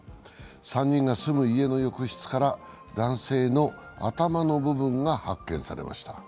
３人が住む家の浴室から男性の頭の部分が発見されました。